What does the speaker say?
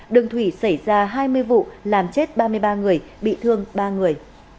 đường thủy xảy ra hai mươi vụ làm chết ba mươi ba người bị thương ba người